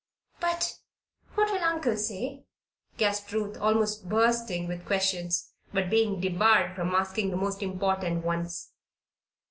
"But what will uncle say?" gasped Ruth, almost bursting with questions, but being debarred from asking the most important ones.